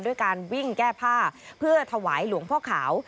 ด้วยการวิ่งแก้ผ้าเพื่อถวายหลวงพ่อขาว